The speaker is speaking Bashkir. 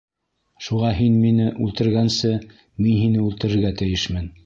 Шуға һин мине үлтергәнсе, мин һине үлтерергә тейешмен.